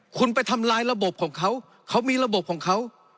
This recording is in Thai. คุณไปทำลายระบบของเขาเขามีระบบของเขา